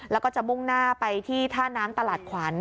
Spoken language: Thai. แล้วก็จะมุ่งหน้าไปที่ท่าน้ำตลาดขวัญ